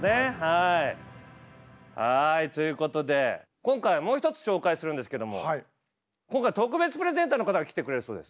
はいということで今回はもう一つ紹介するんですけども今回は特別プレゼンターの方が来てくれるそうです。